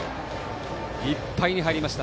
いっぱいに入りました。